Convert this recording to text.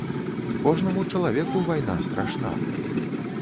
Кожнаму чалавеку вайна страшна.